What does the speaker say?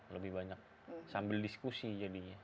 lebih banyak sambil diskusi jadinya